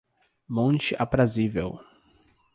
Monte Aprazível